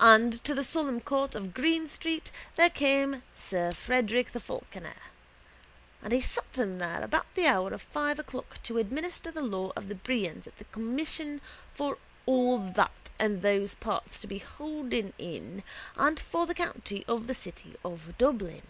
And to the solemn court of Green street there came sir Frederick the Falconer. And he sat him there about the hour of five o'clock to administer the law of the brehons at the commission for all that and those parts to be holden in and for the county of the city of Dublin.